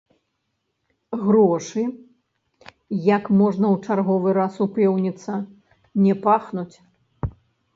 Грошы, як можна ў чарговы раз упэўніцца, не пахнуць.